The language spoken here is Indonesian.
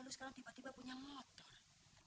lalu sekarang tiba tiba punya motor